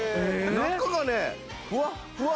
中がねふわっふわ。